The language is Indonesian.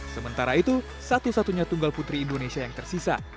sementara itu satu satunya tunggal putri indonesia yang tersisa